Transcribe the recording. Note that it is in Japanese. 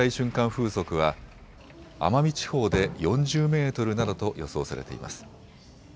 風速は奄美地方で４０メートルなどと予想されています。